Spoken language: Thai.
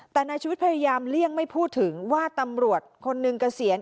แต่นายชีวิตพยายามเลี่ยงไม่พูดถึงว่าตำรวจคนหนึ่งเกษียณ